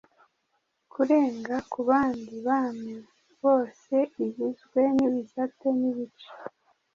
Kurenga ku bandi bami boseigizwe nibisate nibice